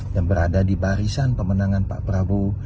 yang berada di barisan pemenangan pak prabowo